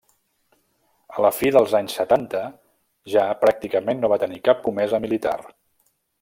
A la fi dels anys setanta ja pràcticament no va tenir cap comesa militar.